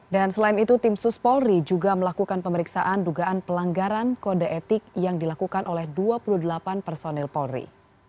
dan selain itu tim sus polri juga melakukan pemeriksaan dugaan pelanggaran kode etik yang dilakukan oleh dua puluh delapan personil polri